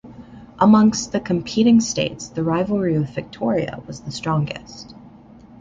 Amongst the competing states, the rivalry with Victoria was the strongest.